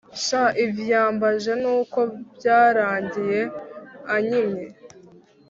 Sha ivyambaje nuko byarangiye anyimye